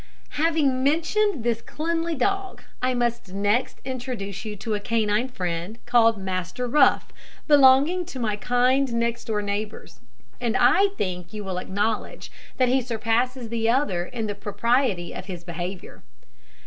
Having mentioned this cleanly dog, I must next introduce to you a canine friend, called Master Rough, belonging to my kind next door neighbours; and I think you will acknowledge that he surpasses the other in the propriety of his behaviour.